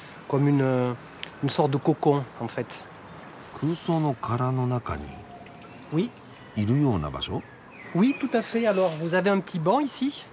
空想の殻の中にいるような場所？